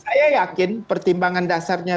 saya yakin pertimbangan dasarnya